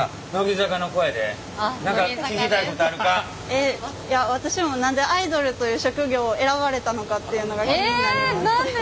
えっいや私も何でアイドルという職業を選ばれたのかっていうのが気になります。